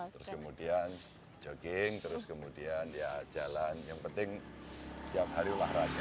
terus kemudian jogging terus kemudian ya jalan yang penting tiap hari olahraga